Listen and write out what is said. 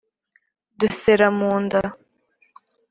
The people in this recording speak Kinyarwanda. dusera mu nda